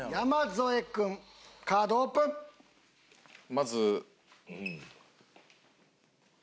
まず。